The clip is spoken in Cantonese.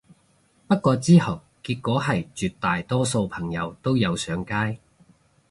不過之後結果係絕大多數朋友都有上街